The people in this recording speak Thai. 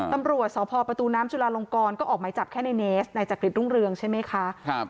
ตำรวจสพประตูน้ำจุลาลงกรก็ออกหมายจับแค่ในเนสในจักริตรุ่งเรืองใช่ไหมคะ